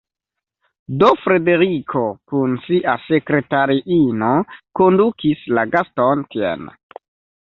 Do Frederiko kun sia sekretariino kondukis la gaston tien.